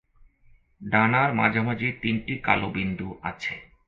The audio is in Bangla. ডানার মাঝামাঝি তিনটি কালো বিন্দু আছে।